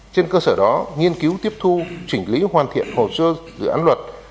trên cơ sở đó nghiên cứu tiếp thu chỉnh lý hoàn thiện hồ sơ dự án luật